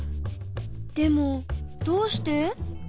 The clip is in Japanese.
でもどうして？